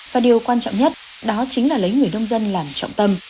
và điều quan trọng nhất đó chính là lấy người nông dân làm trọng tâm